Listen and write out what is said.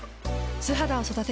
素肌を育てる。